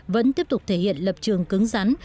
vẫn tiếp tục thể hiện lập trường cứng rắn